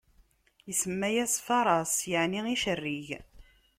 Isemma-yas Faraṣ, yeɛni icerrig.